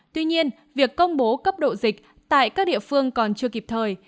tuy nhiên việc công bố cấp độ dịch tại các địa phương còn chưa kịp thời